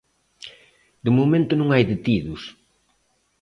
De momento non hai detidos.